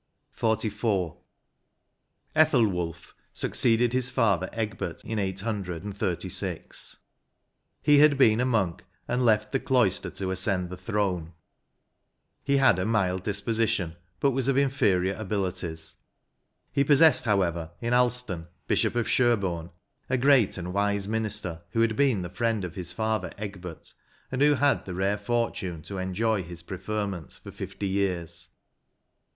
88 XLIV. Ethelwulph succeeded his father Egbert in 886 : he had been a monk, and left the cloister to ascend the throne.; he had a mild disposition, but was of inferior abilities; he possessed, however, in Alstan, Bishop of Sherborne, a great and wise minister, who had been the friend of his father Egbert, and who had the rare fortune to enjoy his preferments for fifty years.